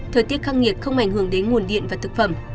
thời tiết khắc nghiệt không ảnh hưởng đến nguồn điện và thực phẩm